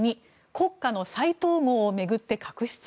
２国家の再統合を巡って確執？